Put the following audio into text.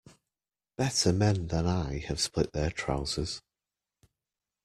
Better men than I have split their trousers.